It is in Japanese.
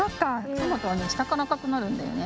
トマトはねしたからあかくなるんだよね。